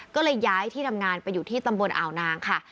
ก็เลยย้ายที่ทำงานไปอยู่ที่ตำบลอ่าวนางค่ะ